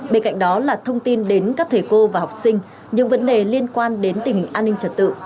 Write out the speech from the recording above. bên cạnh đó là thông tin đến các thầy cô và học sinh những vấn đề liên quan đến tình hình an ninh trật tự